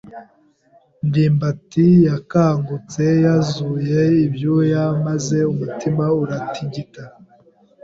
ndimbati yakangutse yuzuye ibyuya maze umutima uratigita.